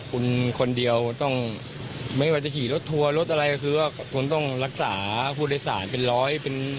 คุณคนเดียวไม่ว่าจะขี่รถทัวร์รถอะไรต้องรักษาผู้โดยสารเป็นร้อย